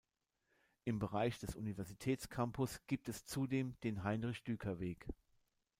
Im Bereich des Universitätscampus gibt es zudem den "Heinrich-Düker-Weg".